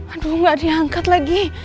aduh gak diangkat lagi